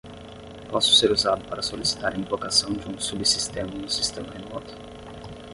Posso ser usado para solicitar a invocação de um subsistema no sistema remoto?